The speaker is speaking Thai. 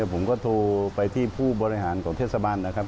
ผมก็โทรไปที่ผู้บริหารของเทศบาลนะครับ